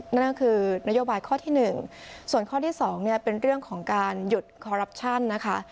นั่นก็คือนโยบายข้อที่๑ส่วนข้อที่๒เนี่ยเป็นเรื่องของการหยุดคอรัปชั่นนะคะ